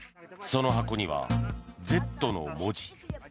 その箱には「Ｚ」の文字。